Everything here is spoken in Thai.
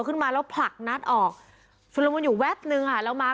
ขึ้นมาแล้วผลักนัทออกสุรมนต์อยู่แว๊บหนึ่งค่ะแล้วมาร์ค